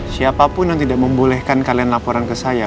siapapun yang tidak membolehkan kalian laporan ke saya